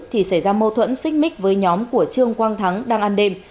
thì xảy ra mâu thuẫn xích mích với nhóm của trương quang thắng đang an đêm